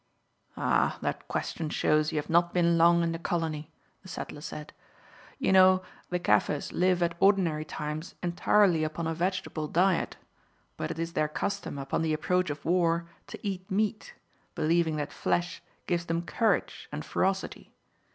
"Ah, that question shows you have not been long in the colony," the settler said. "You know, the Kaffirs live at ordinary times entirely upon a vegetable diet, but it is their custom upon the approach of war to eat meat, believing that flesh gives them courage and ferocity.